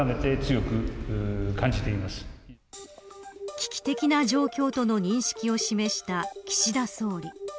危機的な状況との認識を示した岸田総理。